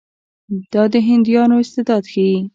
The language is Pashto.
دا د هندیانو استعداد ښيي.